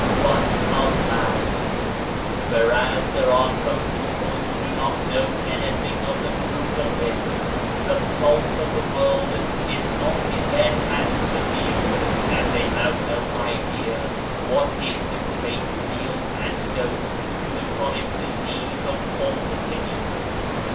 But alas I Whereas there are some people who do not know anything of the truth of this, the pulse of the world is not in their hands to feel, and they have no idea what is the great real antidote to the chronic disease of false opinions.